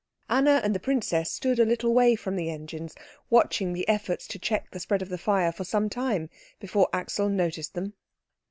Anna and the princess stood a little way from the engines watching the efforts to check the spread of the fire for some time before Axel noticed them.